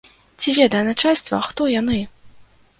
Ці ведае начальства, хто яны?